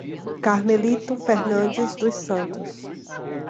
Carmelito Fernandes dos Santos